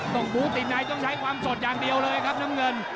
บู้ติดในต้องใช้ความสดอย่างเดียวเลยครับน้ำเงิน